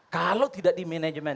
kalau tidak di manajemen